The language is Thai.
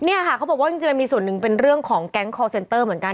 เนี่ยค่ะเขาบอกว่าจริงมันมีส่วนหนึ่งเป็นเรื่องของแก๊งคอร์เซนเตอร์เหมือนกัน